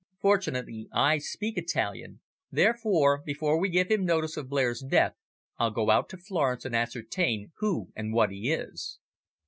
"Fortunately I speak Italian, therefore, before we give him notice of Blair's death. I'll go out to Florence and ascertain who and what he is."